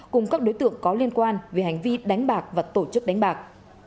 cùng các đối tượng có liên quan về hành vi đánh bạc và tổ chức đánh bạc